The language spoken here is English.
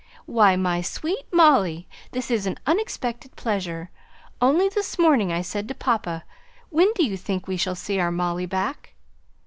"Why, my sweet Molly, this is an unexpected pleasure. Only this morning I said to papa, 'When do you think we shall see our Molly back?'